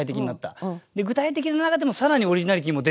で具体的な中でも更にオリジナリティーも出てきてる。